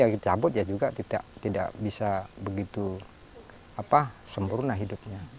ya cabut juga tidak bisa begitu sempurna hidupnya